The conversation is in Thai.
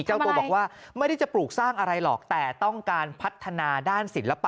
เจ้าตัวบอกว่าไม่ได้จะปลูกสร้างอะไรหรอกแต่ต้องการพัฒนาด้านศิลปะ